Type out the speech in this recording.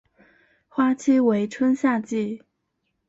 花期为春夏季。